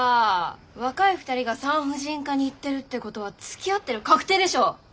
若い２人が産婦人科に行ってるってことはつきあってる確定でしょ。